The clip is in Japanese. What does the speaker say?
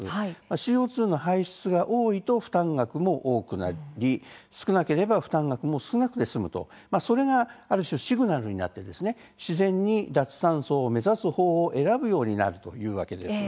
ＣＯ２の排出が多いと負担額も多くなり少なければ負担額も少なくて済むとそれがシグナルになって自然に脱炭素を目指すほうを選ぶようになるということです。